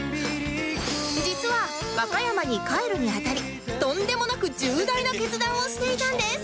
実は和歌山に帰るに当たりとんでもなく重大な決断をしていたんです